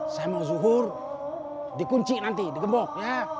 saya mau zuhur dikunci nanti digembok ya